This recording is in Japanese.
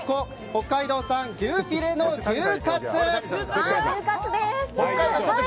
北海道牛ヒレの牛カツ。